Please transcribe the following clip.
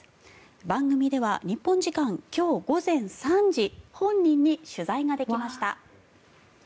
番組では日本時間今日午前３時本人に取材ができました。